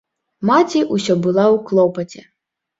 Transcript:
Маці ўсё была ў клопаце.